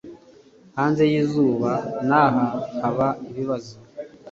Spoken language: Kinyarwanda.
Hanze y'izuba naha haba ibibazo